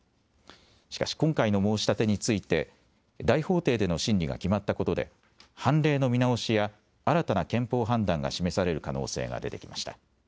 しかし今回の申し立てについて大法廷での審理が決まったことで判例の見直しや新たな憲法判断が示される可能性が出てきました。